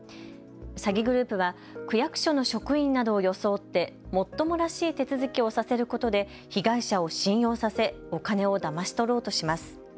詐欺グループは区役所の職員などを装ってもっともらしい手続きをさせることで被害者を信用させお金をだまし取ろうとします。